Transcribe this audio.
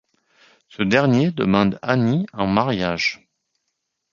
Ce dernier demande Anie en mariage.